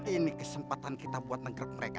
ini kesempatan kita buat nengkrak mereka